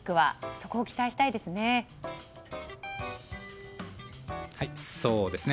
そこを期待したいですね。